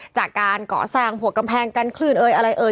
จากการก่อสร้างหัวกำแพงกันคลื่นเอ่ยอะไรเอ่ย